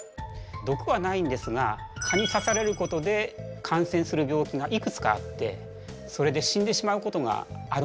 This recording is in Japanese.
毒はないんですが蚊に刺されることで感染する病気がいくつかあってそれで死んでしまうことがあるんです。